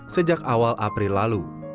sejak awal april lalu